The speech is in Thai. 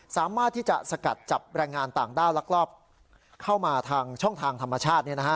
สามารถที่จะสกัดจับแรงงานต่างด้าวลักลอบเข้ามาทางช่องทางธรรมชาติ